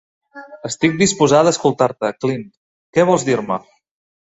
Estic disposada a escoltar-te, Cleant. Què vols dir-me?